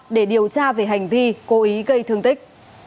để điều tra về hành vi cố ý gây thương tích